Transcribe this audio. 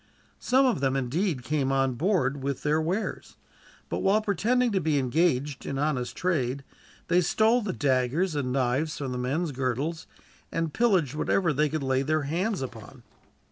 Some of them indeed came on board with their wares, but while pretending to be engaged in honest trade, they stole the daggers and knives from the men's girdles, and pillaged whatever they could lay their hands upon.